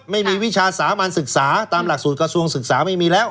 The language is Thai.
วิชาสามัญศึกษาตามหลักสูตรกระทรวงศึกษาไม่มีแล้ว